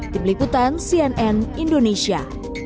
dibeliputan cnn indonesia